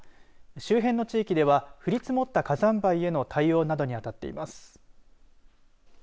周辺の地域では降り積もった火山灰への対応などにあたっています。